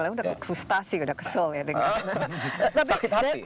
udah kekustasi udah kesel ya dengan